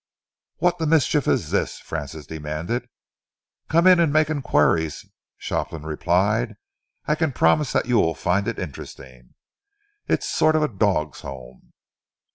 "What the mischief is this?" Francis demanded. "Come in and make enquiries," Shopland replied. "I can promise that you will find it interesting. It's a sort of dog's home."